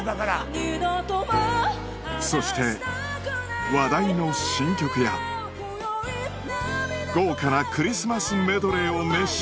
二度ともうそして話題の新曲や豪華なクリスマスメドレーを熱唱